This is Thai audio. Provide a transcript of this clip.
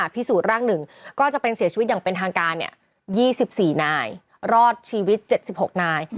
พิสูจน์ร่าง๑ก็จะเป็นเสียชีวิตอย่างเป็นทางการ๒๔นายรอดชีวิต๗๖นาย